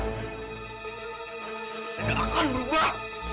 saya akan berubah